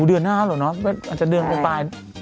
เดือนหน้าเหรอเนอะอาจจะเดือนปลาย